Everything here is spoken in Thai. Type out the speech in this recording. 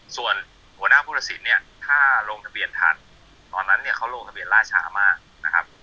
ส่วนหัวหน้าผู้ตัดสินเนี่ยถ้าลงทะเบียนทันตอนนั้นเนี่ยเขาลงทะเบียนล่าช้ามากนะครับ